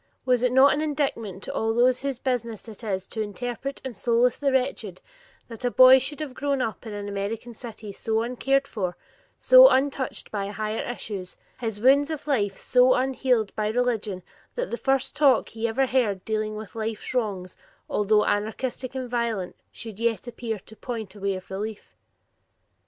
Was it not an indictment to all those whose business it is to interpret and solace the wretched, that a boy should have grown up in an American city so uncared for, so untouched by higher issues, his wounds of life so unhealed by religion that the first talk he ever heard dealing with life's wrongs, although anarchistic and violent, should yet appear to point a way of relief?